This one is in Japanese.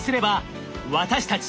私たち